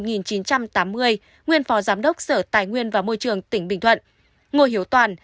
nguyên phó giám đốc sở tài nguyên và môi trường tỉnh bình thuận ngô hiếu toàn